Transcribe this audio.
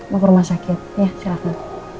mau ke rumah sakit ya silahkan